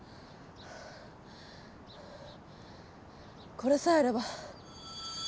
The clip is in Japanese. これさえあれば。